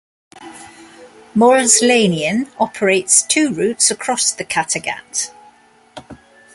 Mols-Linien operates two routes across the Kattegat.